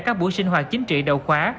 các buổi sinh hoạt chính trị đầu khóa